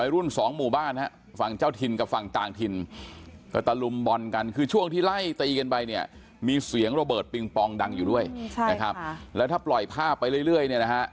ลดพี่ตัวดีนะครับลดพี่